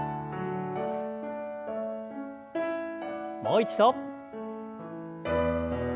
もう一度。